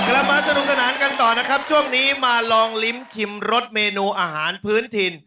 กลับมาสนุกสนานกันต่อนะครับช่วงนี้มาลองลิ้มชิมรสเมนูอาหารพื้นถิ่น